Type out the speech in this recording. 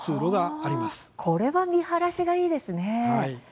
これは見晴らしがいいですね。